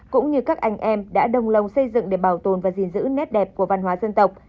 cũng như các anh em đã đồng lòng xây dựng để bảo tồn và gìn giữ nét đẹp của văn hóa dân tộc